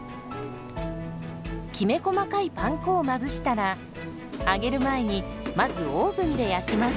きめ細かいパン粉をまぶしたら揚げる前にまずオーブンで焼きます。